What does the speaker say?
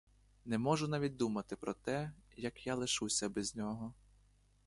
Не можу навіть думати про те, як я лишуся без нього.